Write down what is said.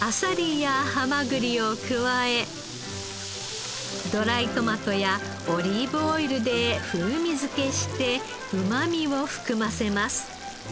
アサリやハマグリを加えドライトマトやオリーブオイルで風味付けしてうまみを含ませます。